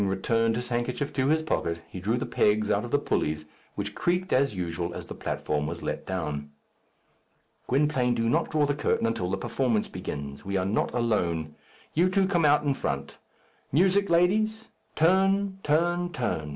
Having returned his handkerchief to his pocket, he drew the pegs out of the pulleys, which creaked as usual as the platform was let down. "Gwynplaine, do not draw the curtain until the performance begins. We are not alone. You two come on in front. Music, ladies! turn, turn, turn.